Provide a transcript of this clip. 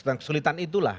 ada kesulitan itulah